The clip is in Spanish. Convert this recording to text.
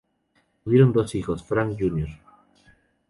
Tuvieron dos hijos, Frank, Jr.